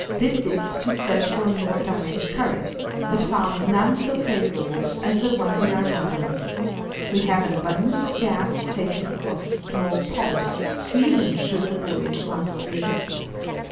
Did this to search for a more direct current, but found none so favorable as the one we are now in. We have an abundance of gas to take us across this small pond, even should the voyage last three weeks.